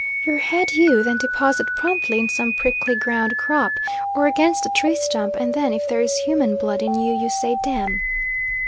Your head you then deposit promptly in some prickly ground crop, or against a tree stump, and then, if there is human blood in you, you say d n!